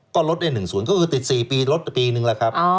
ก็ลด๑ส่วนก็คือติด๔ลดปีนึงแหละครับ